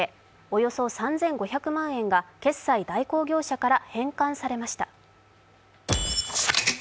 およそ３５００万円が決済代行業者から返還されました。